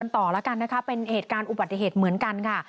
ต่อแล้วกันนะคะเป็นเหตุการณ์อุบัติเหตุเหมือนกันค่ะ